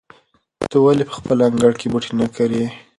ته ولې په خپل انګړ کې بوټي نه کرې؟